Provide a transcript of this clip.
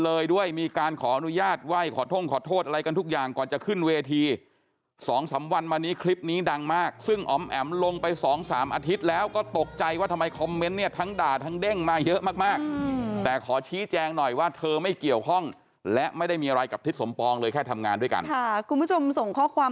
เลยด้วยมีการขออนุญาตไหว้ขอท่งขอโทษอะไรกันทุกอย่างก่อนจะขึ้นเวทีสองสามวันมานี้คลิปนี้ดังมากซึ่งอ๋อมแอ๋มลงไปสองสามอาทิตย์แล้วก็ตกใจว่าทำไมคอมเมนต์เนี่ยทั้งด่าทั้งเด้งมาเยอะมากมากแต่ขอชี้แจงหน่อยว่าเธอไม่เกี่ยวข้องและไม่ได้มีอะไรกับทิศสมปองเลยแค่ทำงานด้วยกันค่ะคุณผู้ชมส่งข้อความ